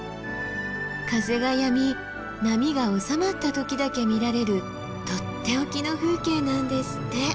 風がやみ波がおさまった時だけ見られるとっておきの風景なんですって！